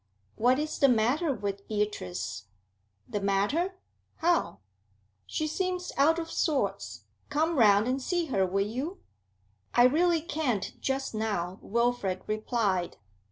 'What is the matter with Beatrice?' 'The matter? How?' 'She seems out of sorts. Come round and see her, will you?' 'I really can't just now,' Wilfrid replied.